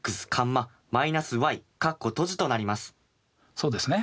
そうですね。